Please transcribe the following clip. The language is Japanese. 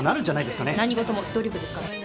何事も努力ですから。